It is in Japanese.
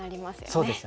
そうですよね。